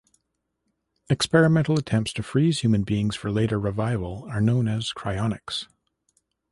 Experimental attempts to freeze human beings for later revival are known as cryonics.